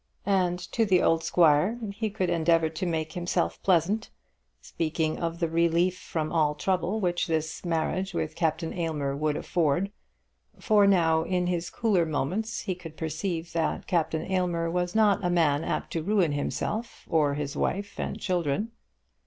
And to the old squire he could endeavour to make himself pleasant, speaking of the relief from all trouble which this marriage with Captain Aylmer would afford, for now, in his cooler moments, he could perceive that Captain Aylmer was not a man apt to ruin himself, or his wife and children.